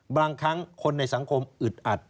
บางครั้งคนในสังคมอึดอัด